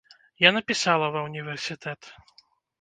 Я напісала ва ўніверсітэт.